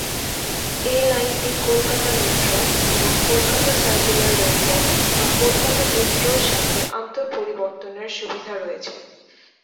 এই লাইনটি কলকাতা মেট্রো এবং কলকাতা সার্কুলার রেলপথ এবং কলকাতা মেট্রোর সাথে আন্তঃ পরিবর্তনের সুবিধা রয়েছে।